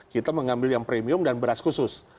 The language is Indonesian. kita mengambil yang premium dan beras khusus